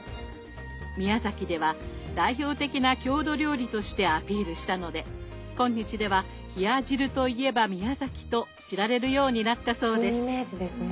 宮崎では代表的な郷土料理としてアピールしたので今日では冷や汁といえば宮崎と知られるようになったそうです。